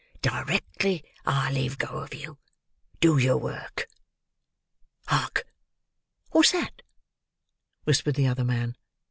"Directly I leave go of you, do your work. Hark!" "What's that?" whispered the other man.